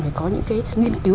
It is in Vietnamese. phải có những cái nghiên cứu